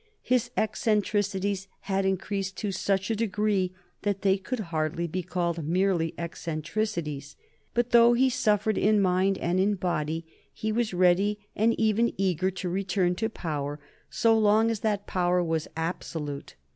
His eccentricities had increased to such a degree that they could hardly be called merely eccentricities. But though he suffered in mind and in body he was ready and even eager to return to power, so long as that power was absolute.